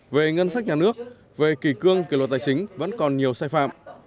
về ngân sách nhà nước về kỳ cương kỳ luật tài chính vẫn còn nhiều sai phạm